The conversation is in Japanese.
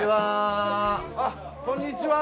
あっこんにちは。